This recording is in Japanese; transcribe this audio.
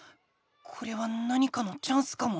これは何かのチャンスかも。